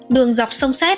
đường dọc sông xét